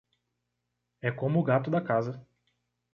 É como o gato da casa.